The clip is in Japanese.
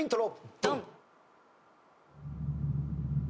ドン！